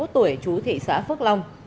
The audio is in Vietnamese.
ba mươi một tuổi chú thị xã phước long